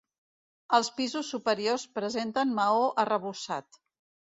Els pisos superiors presenten maó arrebossat.